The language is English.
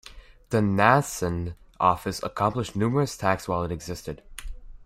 The Nansen Office accomplished numerous tasks while it existed.